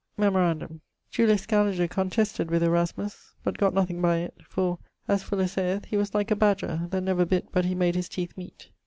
Memorandum: Julius Scaliger contested with Erasmus, but gott nothing by it, for, as Fuller sayth, he was like a badger, that never bitt but he made his teeth meet.